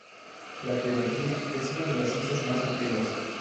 La geometría es una de las ciencias más antiguas.